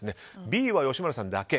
Ｂは吉村さんだけ。